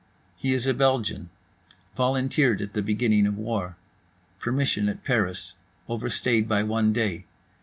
He is a Belgian. Volunteered at beginning of war. Permission at Paris, overstayed by one day.